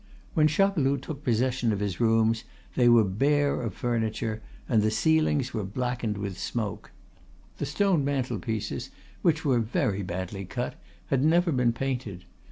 When Chapeloud took possession of his rooms they were bare of furniture, and the ceilings were blackened with smoke. The stone mantelpieces, which were very badly cut, had never been painted.